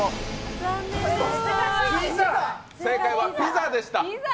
正解はピザでした。